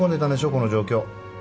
この状況。